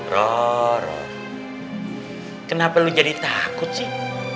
ror kenapa lo jadi takut sih